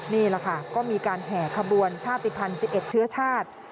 นี่แหละค่ะก็มีการแห่ขบวนชาติภัณฑ์๑๑เชื้อชาติ